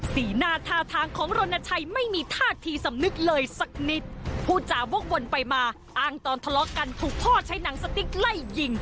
สีหน้าท่าทางของรณชัยไม่มีท่าทีสำนึกเลยสักนิดผู้จาวกวนไปมาอ้างตอนทะเลาะกันถูกพ่อใช้หนังสติ๊กไล่ยิง